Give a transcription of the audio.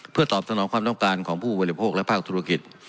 เพื่อตอบสนองความต้องการของผู้บริโภคและภาคธุรกิจ